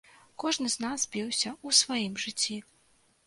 Кожны з нас біўся ў сваім жыцці.